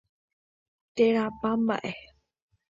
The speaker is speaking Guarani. Térãpa mbaʼe.